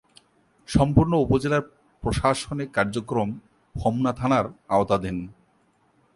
সম্পূর্ণ উপজেলার প্রশাসনিক কার্যক্রম হোমনা থানার আওতাধীন।